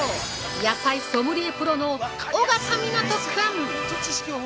野菜ソムリエプロの緒方湊くん！